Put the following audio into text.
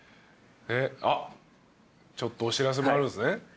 あっちょっとお知らせもあるんですね。